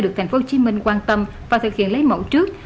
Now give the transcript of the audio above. được tp hcm quan tâm và thực hiện lấy mẫu trước